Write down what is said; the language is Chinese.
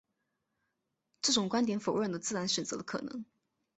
这种观点否认了自然选择的可能。